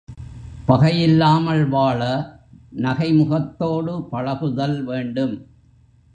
பகை இல்லாமல் வாழ நகைமுகத்தோடு பழகுதல் வேண்டும்.